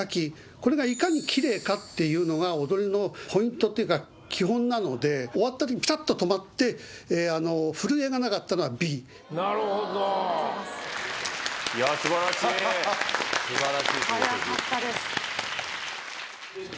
これがいかに綺麗かっていうのが踊りのポイントっていうか基本なので終わった時にピタッと止まって震えがなかったのはＢなるほど根拠がいやすばらしいすばらしい分析早かったです